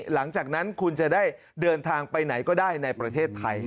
หลังจากนั้นคุณจะได้เดินทางไปไหนก็ได้ในประเทศไทย